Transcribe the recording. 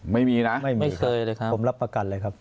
ไม่มีนะไม่มีไม่เคยเลยครับผมรับประกันเลยครับ